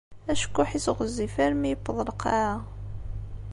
Acekkuḥ-is ɣezzif armi yewweḍ lqaɛa.